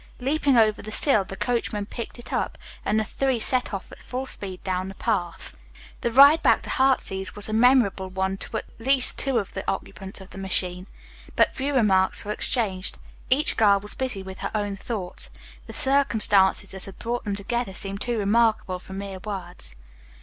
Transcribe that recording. Leaping over the sill, the coachman picked it up, and the three set off at full speed down the path. The ride back to "Heartsease" was a memorable one to at least two of the occupants of the machine. But few remarks were exchanged. Each girl was busy with her own thoughts. The circumstances that had brought them together seemed too remarkable for mere words.